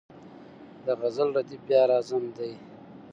د غزل ردیف بیا راځم دی.